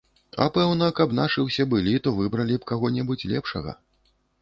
А пэўна, каб нашы ўсе былі, то выбралі б каго-небудзь лепшага.